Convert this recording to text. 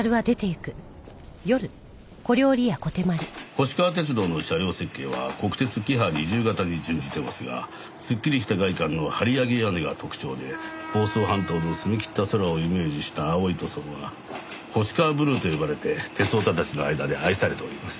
星川鐵道の車両設計は国鉄キハ２０形に準じていますがすっきりした外観の張り上げ屋根が特徴で房総半島の澄みきった空をイメージした青い塗装は星川ブルーと呼ばれて鉄オタたちの間で愛されております。